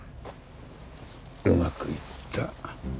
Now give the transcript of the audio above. うまくいった。